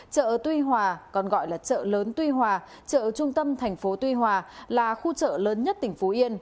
chợ tuy hòa còn gọi là chợ lớn tuy hòa chợ trung tâm thành phố tuy hòa là khu chợ lớn nhất tỉnh phú yên